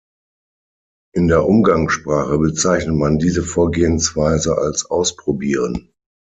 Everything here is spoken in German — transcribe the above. In der Umgangssprache bezeichnet man diese Vorgehensweise als „Ausprobieren“.